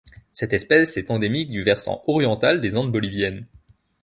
Cette espèce est endémique du versant oriental des Andes boliviennes.